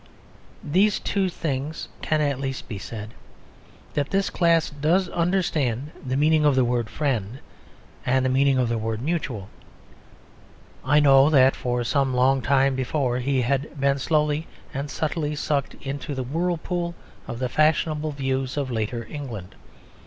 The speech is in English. These two things can at least be said that this class does understand the meaning of the word "friend" and the meaning of the word "mutual." I know that for some long time before he had been slowly and subtly sucked into the whirlpool of the fashionable views of later England.